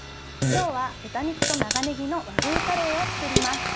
今日は豚肉と長ねぎの和風カレーを作ります。